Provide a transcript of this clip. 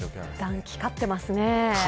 暖気、勝ってますね。